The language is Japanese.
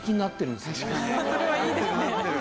それはいいですね。